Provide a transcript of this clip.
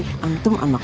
sudah pun sudah